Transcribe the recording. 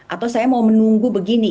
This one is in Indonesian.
atau saya mau menunggu begini